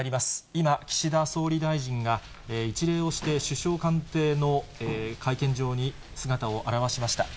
今、岸田総理大臣が一礼をして、首相官邸の会見場に姿を現しました。